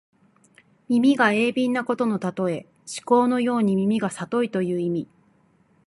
耳が鋭敏なことのたとえ。師曠のように耳がさといという意味。